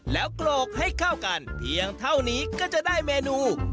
แล้วโกรกให้เข้ากัน